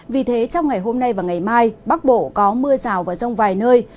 vì thế trong ngày hôm nay và ngày mai bắc bộ có mưa rào và rông vài nơi